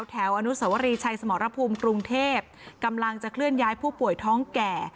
อนุสวรีชัยสมรภูมิกรุงเทพกำลังจะเคลื่อนย้ายผู้ป่วยท้องแก่